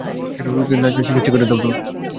রোগীকে না ছুঁয়েই চিকিৎসা করে দাও তুমি।